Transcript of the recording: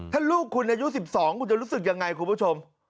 ถ้าลูกคุณอายุ๑๒คุณจะรู้สึกยังไงคุณผู้ชม